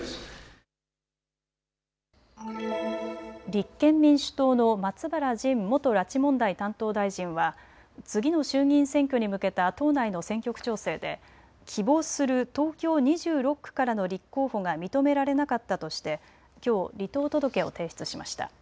立憲民主党の松原仁元拉致問題担当大臣は次の衆議院選挙に向けた党内の選挙区調整で希望する東京２６区からの立候補が認められなかったとしてきょう離党届を提出しました。